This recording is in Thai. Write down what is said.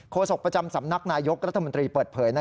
โศกประจำสำนักนายกรัฐมนตรีเปิดเผย